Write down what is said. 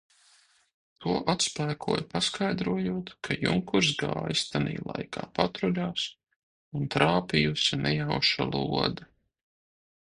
To atspēkoja paskaidrojot, ka junkurs gājis tanī laikā patruļās un trāpījusi nejauša lode.